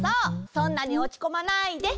そんなにおちこまないで！